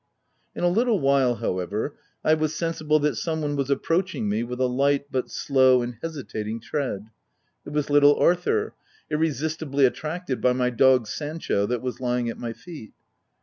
In a little w r hile, however, I was sensible that some one was approaching me, with a light, but slow and hesitating tread. It was little Arthur, irresistibly attracted by my dog Sancho, that was lying at my feet.